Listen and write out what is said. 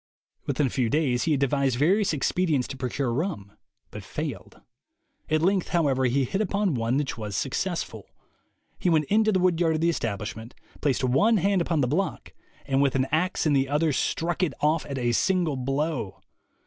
Within a few days he had devised various expedients to procure rum, but failed. At length, however, he hit upon one which was successful. He went into the wood yard of the establishment, placed one hand upon the block, and with an axe in the other struck it off at a single blow.